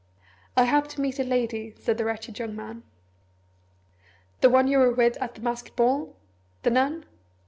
"I have to meet a lady," said the wretched young man. "The one you were with at the masked ball? The nun?